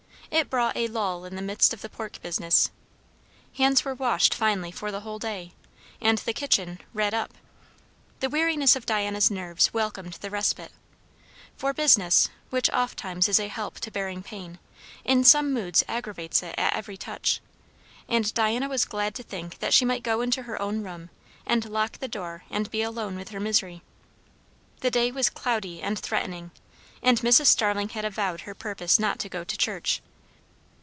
It brought a lull in the midst of the pork business. Hands were washed finally for the whole day, and the kitchen "redd up." The weariness of Diana's nerves welcomed the respite; for business, which oftimes is a help to bearing pain, in some moods aggravates it at every touch; and Diana was glad to think that she might go into her own room and lock the door and be alone with her misery. The day was cloudy and threatening, and Mrs. Starling had avowed her purpose not to go to church.